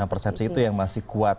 persepsi itu yang masih kuat